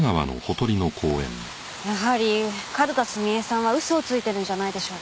やはり角田澄江さんは嘘をついてるんじゃないでしょうか。